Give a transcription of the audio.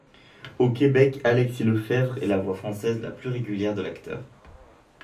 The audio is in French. Au Québec, Alexis Lefebvre est la voix française la plus régulière de l'acteur.